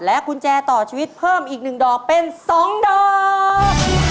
กุญแจต่อชีวิตเพิ่มอีก๑ดอกเป็น๒ดอก